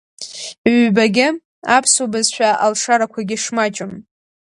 Ҩбагьы аԥсуа бызшәа алшарақәагьы шмаҷым…